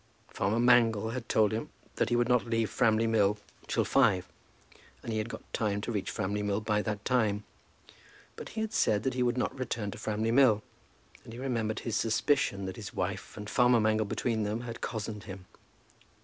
Farmer Mangle had told him that he would not leave Framley Mill till five, and he had got time to reach Framley Mill by that time. But he had said that he would not return to Framley Mill, and he remembered his suspicion that his wife and farmer Mangle between them had cozened him.